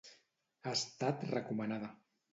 Ha estat recomanada.